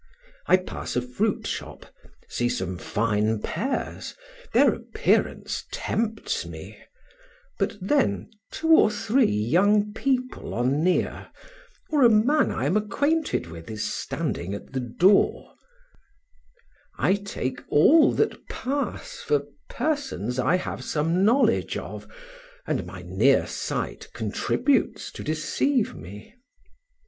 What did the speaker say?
I pass a fruit shop, see some fine pears, their appearance tempts me; but then two or three young people are near, or a man I am acquainted with is standing at the door; I take all that pass for persons I have some knowledge of, and my near sight contributes to deceive me.